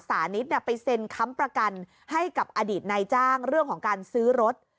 สานิทไปเซ็นค้ำประกันให้กับอดีตนายจ้างเรื่องของการซื้อรถ